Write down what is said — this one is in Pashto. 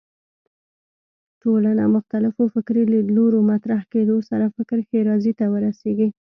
ټولنه مختلفو فکري لیدلوریو مطرح کېدو سره فکر ښېرازۍ ته ورسېږي